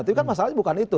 tapi kan masalahnya bukan itu